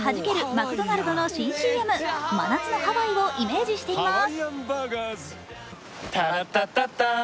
マクドナルドの新ＣＭ、真夏のハワイをイメージしています。